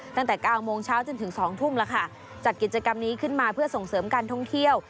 ตั้งแต่๙โมงเช้าจนถึง๒ทุ่มแล้วค่ะจัดกิจกรรมนี้ขึ้นมาเพื่อส่งเสริมการท่องเที่ยว